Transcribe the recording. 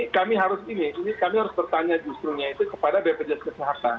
kami harus ini kami harus bertanya justru kepada bpnk kesehatan